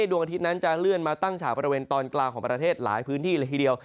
ดวงอาทิตย์นั้นจะเลื่อนมาตั้งฉากบริเวณตอนกลางของประเทศหลายพื้นที่เลยทีเดียว